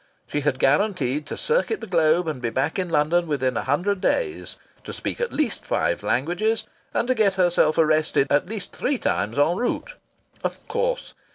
She had guaranteed to circuit the globe and to be back in London within a hundred days, to speak in at least five languages, and to get herself arrested at least three times en route.... Of course!